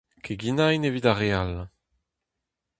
Keginañ evit ar re all.